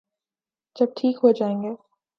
جب ٹھیک ہو جائیں گے۔